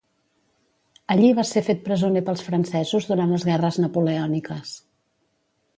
Allí va ser fet presoner pels francesos durant les guerres napoleòniques.